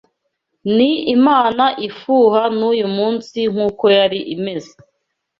Ni Imana ifuha n’uyu munsi nk’uko yari imeze